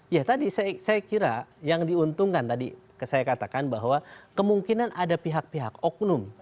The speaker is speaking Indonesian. ya tadi saya kira yang diuntungkan tadi saya katakan bahwa kemungkinan ada pihak pihak oknum